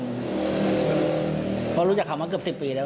เพราะรู้จักเขามาเกือบ๑๐ปีแล้ว